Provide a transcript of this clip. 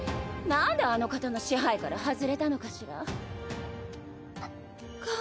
何であの方の支配から外れたのかしら？